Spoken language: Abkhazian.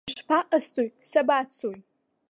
Ишԥаҟасҵои, сабацои?!